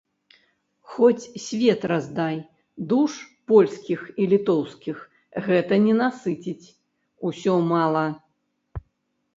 Хоць свет раздай, душ польскіх і літоўскіх гэта не насыціць, усё мала!